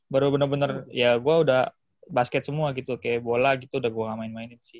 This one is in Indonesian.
baru benar benar ya gue udah basket semua gitu kayak bola gitu udah gue enggak main mainin sih